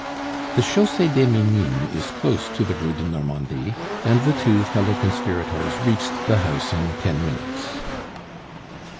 The Chaussee des Minimes is close to the Rue de Normandie, and the two fellow conspirators reached the house in ten minutes.